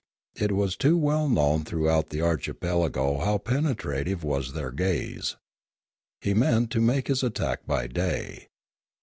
It was too well known throughout the archipelago how penetrative was their gaze. He meant to make his attack by day.